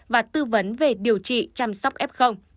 và tư vấn về điều trị chăm sóc f